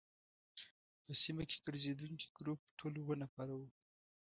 په سیمه کې ګرزېدونکي ګروپ ټول اووه نفره وو.